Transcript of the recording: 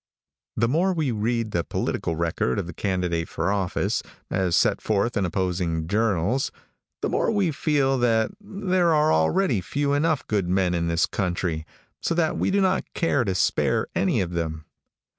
The more we read the political record of the candidate for office, as set forth in opposing journals, the more we feel that there are already few enough good men in this country, so that we do not care to spare any of them.